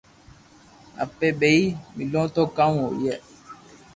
اپي ٻئي ملو تو ڪاو ھوئي